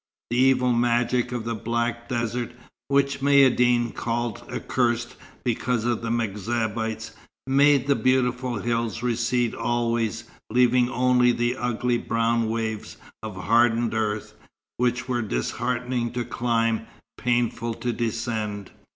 The evil magic of the black desert, which Maïeddine called accursed because of the M'Zabites, made the beautiful hills recede always, leaving only the ugly brown waves of hardened earth, which were disheartening to climb, painful to descend.